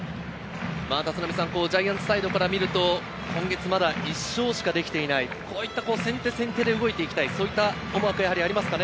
攻撃がまだ３回４回ありジャイアンツサイドから見ると、今月まだ１勝しかできていない、こういった先手先手で動いていきたい思惑はありますか？